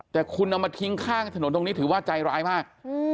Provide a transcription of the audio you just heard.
แต่คุณเอามาทิ้งข้างถนนตรงนี้ถือว่าใจร้ายมาก